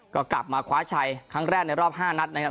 ก็กลับมาคว้าชัยครั้งแรกในรอบ๕นัดนะครับ